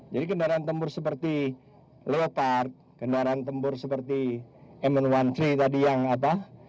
jadi kendaraan tempur seperti leopard kendaraan tempur seperti mn tiga belas tadi yang apa